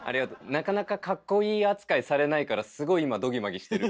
なかなかかっこいい扱いされないからすごい今どぎまぎしてる。